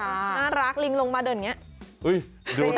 น่ารักลิงลงมาเดินอย่างนี้